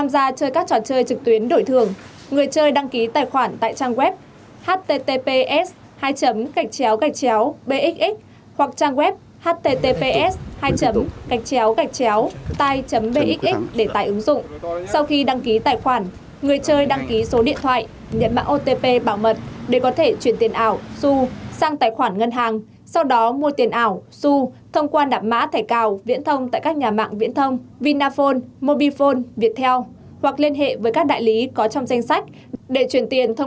sau chuyên án này chúng tôi cũng khuyến cáo